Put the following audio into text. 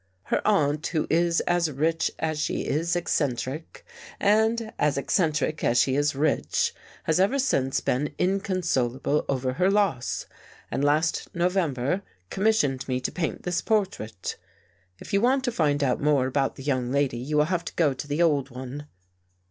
Her aunt, who is as rich as she is eccentric, and as eccentric as she is rich, has ever since been inconsolable over her loss, and last November commissioned me to paint this portrait. If you want to find out more about the young lady, you will have to go to the old one."